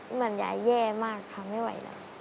เหมือนยายแย่มากทำไม่ไหวแล้ว